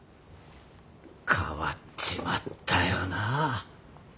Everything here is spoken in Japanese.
変わっちまったよなあ。